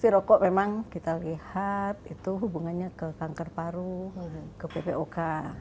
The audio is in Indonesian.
rokok memang kita lihat itu hubungannya ke kanker paru ke ppok